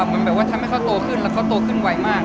เหมือนแบบว่าทำให้เขาโตขึ้นแล้วเขาโตขึ้นไวมาก